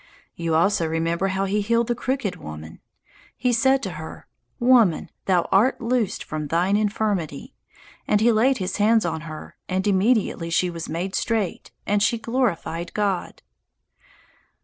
You also remember how he healed the crooked woman. He said to her, "Woman, thou art loosed from thine infirmity," and he laid his hands on her, and immediately she was made straight, and she glorified God.